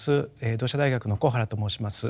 同志社大学の小原と申します。